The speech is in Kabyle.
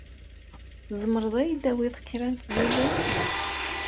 Tzemreḍ ad yi-d-tawiḍ kra n tduli?